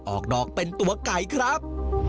ออกดอกเป็นตัวไก่ครับ